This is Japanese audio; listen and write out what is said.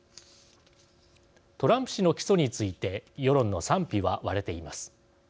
トランプ氏の起訴について世論の賛否は割れています。